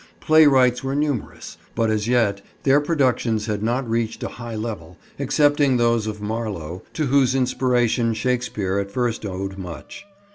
Playwrights were numerous, but as yet their productions had not reached a high level, excepting those of Marlowe, to whose inspiration Shakespeare at first owed much.